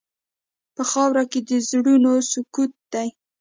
په خاوره کې د زړونو سکوت دی.